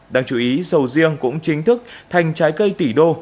đáng chú ý sầu riêng cũng chính thức thành trái cây tỷ đô